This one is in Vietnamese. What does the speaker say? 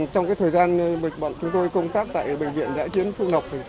trong thời gian chúng tôi công tác tại bệnh viện giá chiến phước lộc